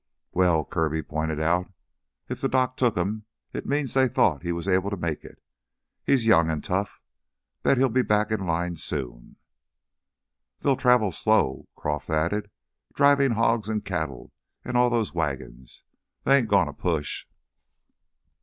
"Well," Kirby pointed out, "if the doc took him, it means they thought he was able to make it. He's young an' tough. Bet he'll be back in line soon." "They'll travel slow," Croff added. "Drivin' hogs and cattle and all those wagons, they ain't goin' to push."